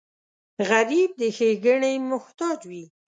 غریب د ښېګڼې محتاج وي